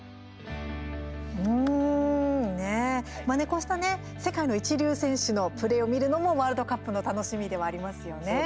こうした世界の一流選手のプレーを見るのもワールドカップの楽しみではありますよね。